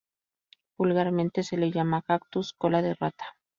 Vulgarmente se le llama cactus cola de rata.